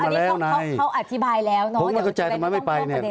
เขาเขาเขาอธิบายแล้วเนอะผมไม่เข้าใจทำไมไม่ไปเนี้ย